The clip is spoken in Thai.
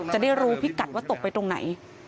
จะได้รู้พิกัดว่าตกไปตรงไหน